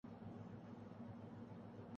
تنوشری دتہ نے میرا ریپ کیا راکھی ساونت